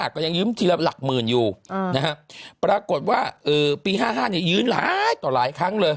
ก็ยังยืม๑หลักหมื่นปรากฏว่า๕๕๕๕ยื้นหลายต่อหลายครั้ง